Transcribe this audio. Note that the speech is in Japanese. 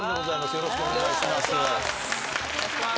よろしくお願いします。